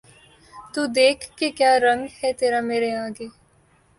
تو دیکھ کہ کیا رنگ ہے تیرا مرے آگے